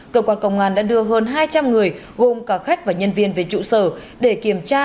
cơ quan công an đã đưa hơn hai trăm linh người gồm cả khách và nhân viên về trụ sở để kiểm tra